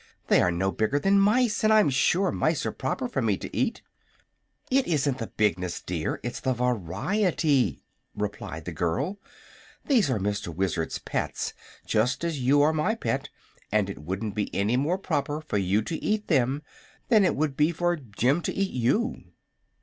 "They are no bigger than mice, and I'm sure mice are proper for me to eat." "It isn't the bigness, dear; its the variety," replied the girl. "These are Mr. Wizard's pets, just as you are my pet, and it wouldn't be any more proper for you to eat them than it would be for Jim to eat you."